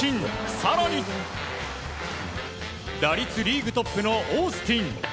更に打率リーグトップのオースティン。